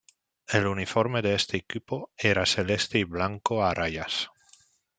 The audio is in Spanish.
El uniforme de este equipo era celeste y blanco a rayas.